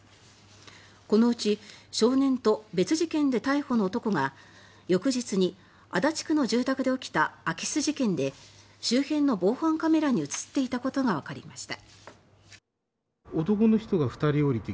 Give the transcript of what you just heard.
このうち少年と別事件で逮捕の男が翌日に足立区の住宅で起きた空き巣事件で周辺の防犯カメラに映っていたことがわかりました。